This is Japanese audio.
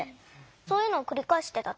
そういうのをくりかえしてた。